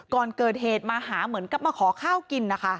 ก่อนเกิดเหตุมาหาเหมือนกับมาขอข้าวกินนะคะ